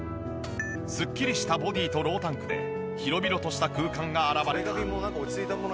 すっきりしたボディとロータンクで広々とした空間が現れた。